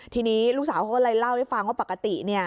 ทีนี้ลูกสาวเขาก็เลยเล่าให้ฟังว่าปกติเนี่ย